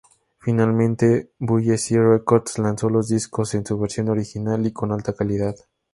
Finalmente, Bullseye Records lanzó los discos en su versión original y con alta calidad.